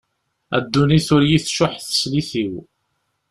A ddunit ur yi-tcuḥ teslit-iw.